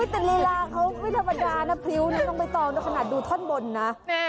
อุ๊ยแต่ฬีราเขาไม่ธรรมดานะพริ้วนี่ต้องไปต่อกับขนาดดูท่อนบนนะ